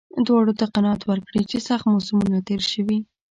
دواړو ته قناعت ورکړي چې سخت موسمونه تېر شوي.